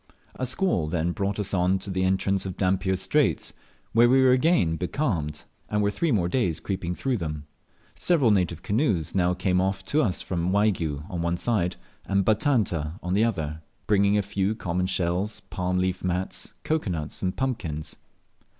A squall them brought us on to the entrance of Dampier's Straits, where we were again becalmed, and were three more days creeping through them. Several native canoes now came off to us from Waigiou on one side, and Batanta on the other, bringing a few common shells, palm leaf mats, cocoa nuts, and pumpkins.